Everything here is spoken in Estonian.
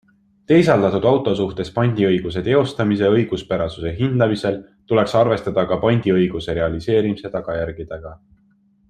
Teisaldatud auto suhtes pandiõiguse teostamise õiguspärasuse hindamisel tuleks arvestada ka pandiõiguse realiseerimise tagajärgedega.